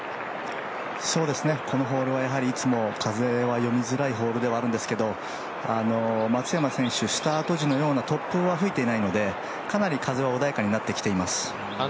このホールはいつも風が読みづらいホールではあるんですけど松山選手、スタート時のような突風は吹いていないのでかなり風は穏やかになってきています。